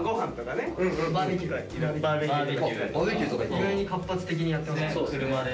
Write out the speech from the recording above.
意外に活発的にやってますね。